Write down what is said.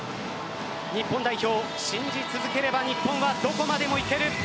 日本代表、信じ続ければ日本はどこまでも行ける。